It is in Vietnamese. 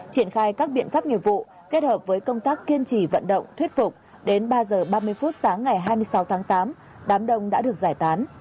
triển khai các biện pháp nghiệp vụ kết hợp với công tác kiên trì vận động thuyết phục đến ba h ba mươi phút sáng ngày hai mươi sáu tháng tám đám đông đã được giải tán